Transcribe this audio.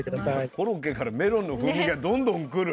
コロッケからメロンの風味がどんどん来る。